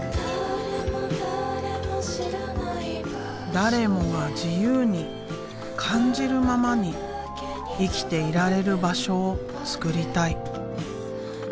誰もが自由に感じるままに生きていられる場所を作りたい。